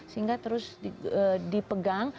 sehingga terus dipegang